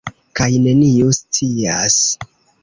Kaj neniu scias.